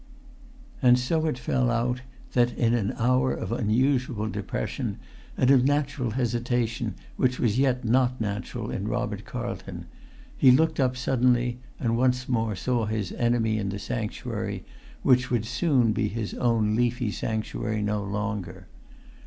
And so it fell out that in an hour of unusual depression, and of natural hesitation which was yet not natural in Robert Carlton, he looked up suddenly and once more saw his enemy in the sanctuary which would soon be his very own leafy sanctuary no longer.